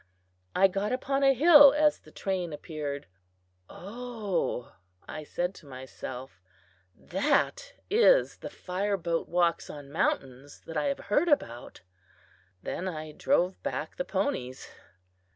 I got upon a hill as the train appeared. "O!" I said to myself, "that is the fire boat walkson mountains that I have heard about!" Then I drove back the ponies.